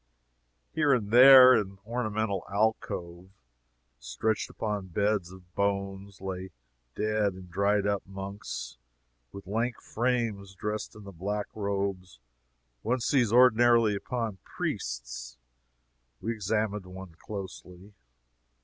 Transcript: Here and there, in ornamental alcoves, stretched upon beds of bones, lay dead and dried up monks, with lank frames dressed in the black robes one sees ordinarily upon priests. We examined one closely.